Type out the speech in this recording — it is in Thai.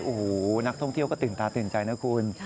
โอ้โหนักท่องเที่ยวก็ตื่นตาตื่นใจนะคุณ